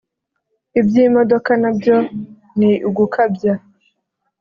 Iby’imodoka nabyo ni ugukabya